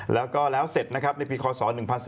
แล้วก็แล้วเสร็จในปีคศ๑๓๗๒